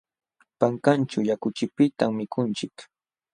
Pankanćhu yakuchupitam mikunchik.